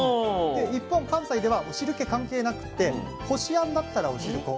一方関西ではお汁気関係なくってこしあんだったらおしるこ。